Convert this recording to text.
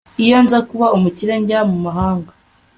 Iyo nza kuba umukire njya mu mahanga